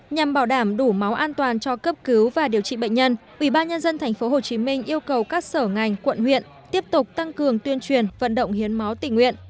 nhằm bảo đảm đủ máu an toàn cho cấp cứu và điều trị bệnh nhân ủy ban nhân dân tp hồ chí minh yêu cầu các sở ngành quận huyện tiếp tục tăng cường tuyên truyền vận động hiến máu tỉnh huyện